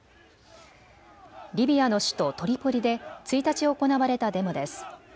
リビアの首都トリポリで１日、行われたデモです。